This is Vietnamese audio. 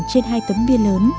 trên hai tấm bia lớn